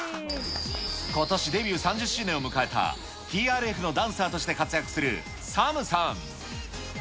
ことしデビュー３０周年を迎えた、ＴＲＦのダンサーとして活躍するＳＡＭさん。